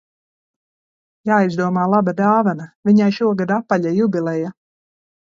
Jāizdomā laba dāvana, viņai šogad apaļa jubileja